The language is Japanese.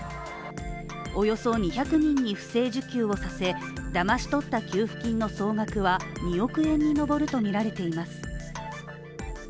およそ２００人に不正受給をさせ、だまし取った給付金の総額は２億円に上るとみられています。